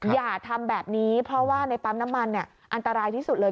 อย่าทำแบบนี้เพราะว่าในปั๊มน้ำมันอันตรายที่สุดเลย